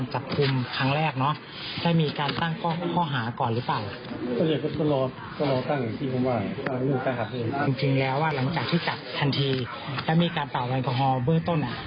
หลังจากที่จับทันทีแล้วมีการเปล่าแวงกอฮอล์เบื้อต้น